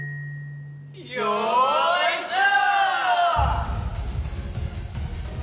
よいしょ！